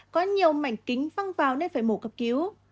có nhiều mảnh kính văng vào nên phải mổ cấp cứu